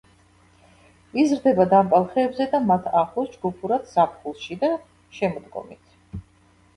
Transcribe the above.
იზრდება დამპალ ხეებზე და მათ ახლოს ჯგუფურად ზაფხულში და შემოდგომით.